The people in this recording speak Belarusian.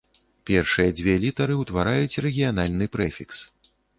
Першыя дзве літары ўтвараюць рэгіянальны прэфікс.